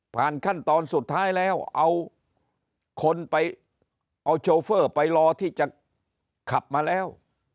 ขั้นตอนสุดท้ายแล้วเอาคนไปเอาโชเฟอร์ไปรอที่จะขับมาแล้ว